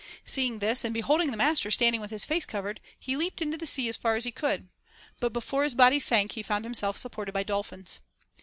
Seeing this, and beholding the master standing with his face covered, he leaped into the sea as far as he could ; but before his body sunk he found himself supported by dolphins.